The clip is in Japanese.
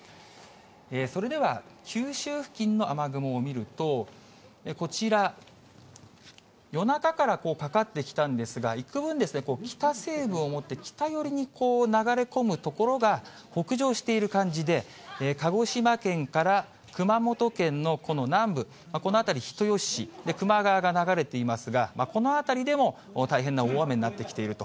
それでは、九州付近の雨雲を見ると、こちら、夜中からかかってきたんですが、いくぶん、をもって北寄りに流れ込む所が、北上している感じで、鹿児島県から熊本県のこの南部、この辺り人吉市、球磨川が流れていますが、この辺りでも大変な大雨になってきていると。